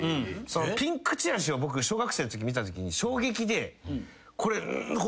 ピンクチラシを小学生のとき見たときに衝撃で。